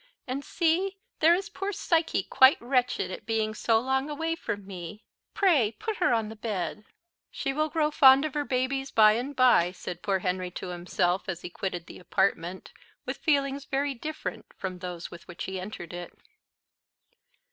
And see, there is poor Psyche quite wretched at being so long away from me. Pray, put her on the bed." "She will grow fond of her babies by and by," said poor Henry to himself, as he quitted the apartment, with feelings very different from those with which he entered it.